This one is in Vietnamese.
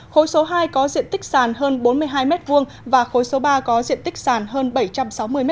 khối số hai có diện tích sàn hơn bốn mươi hai m hai và khối số ba có diện tích sàn hơn bảy trăm sáu mươi m hai